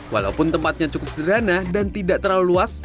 walaupun tempatnya cukup sederhana dan tidak terlalu luas